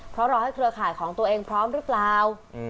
เพราะรอให้เครือข่ายของตัวเองพร้อมหรือเปล่า